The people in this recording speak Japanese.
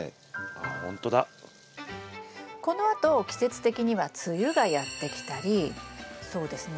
このあと季節的には梅雨がやってきたりそうですね